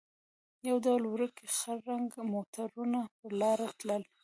یو ډول وړوکي خړ رنګه موټرونه پر لار تلل.